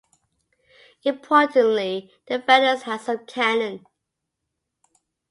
Importantly, the defenders had some cannon.